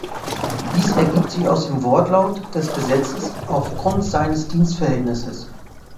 Dies ergibt sich aus dem Wortlaut des Gesetzes: „aufgrund seines Dienstverhältnisses“.